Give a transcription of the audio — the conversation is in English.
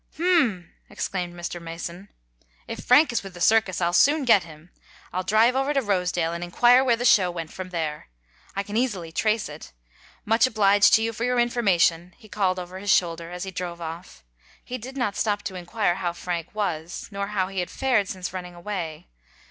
"Hum!" exclaimed Mr. Mason. "If Frank is with the circus, I'll soon get him. I'll drive over to Rosedale, and inquire where the show went from there. I can easily trace it. Much obliged to you for your information," he called over his shoulder, as he drove off. He did not stop to inquire how Frank was, nor how he had fared since running away.